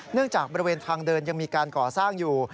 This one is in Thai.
จากบริเวณทางเดินยังมีการก่อสร้างอยู่